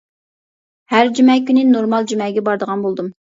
ھەر جۈمە كۈنى نورمال جۈمەگە بارىدىغان بولدۇم.